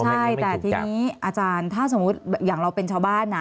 ใช่แต่ทีนี้อาจารย์ถ้าสมมุติอย่างเราเป็นชาวบ้านนะ